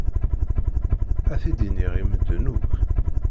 Ad t-id-iniɣ i medden akk.